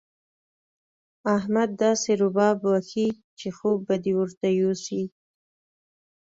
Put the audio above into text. احمد داسې رباب وهي چې خوب به دې ورته يوسي.